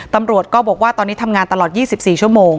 ตำรวจก็บอกว่าตอนนี้ทำงานตลอด๒๔ชั่วโมง